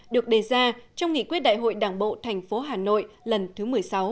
được đề ra trong nghị quyết đại hội đảng bộ thành phố hà nội lần thứ một mươi sáu